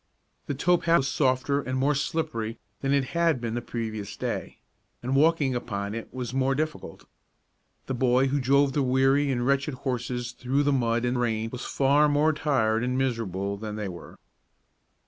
The tow path was softer and more slippery than it had been the previous day, and walking upon it was more difficult. The boy who drove the weary and wretched horses through the mud and rain was far more tired and miserable than they were.